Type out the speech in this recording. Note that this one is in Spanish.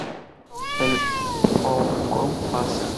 El "Pourquoi Pas?